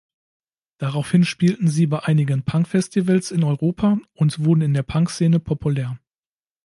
Daraufhin spielten sie bei einigen Punk-Festivals in Europa und wurden in der Punk-Szene populär.